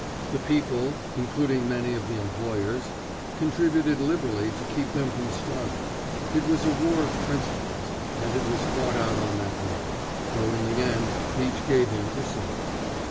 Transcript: The people, including many of the employers, contributed liberally to keep them from starving. It was a war of principles, and it was fought out on that line, though in the end each gave in to something.